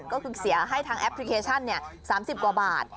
ก็คือเสียให้ทางแอปพลิเคชัน๓๐กว่าบาท